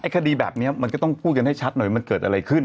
คดีแบบนี้มันก็ต้องพูดกันให้ชัดหน่อยมันเกิดอะไรขึ้น